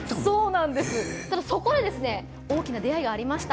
そこに大きな出会いがありました。